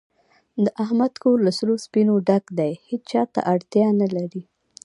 د احمد کور له سرو سپینو نه ډک دی، هېچاته اړتیا نه لري.